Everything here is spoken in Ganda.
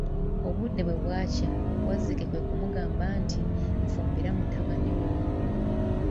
Obudde bwe bwakya, wazzike kwe kumugamba nti, nfumbira mutabani wo.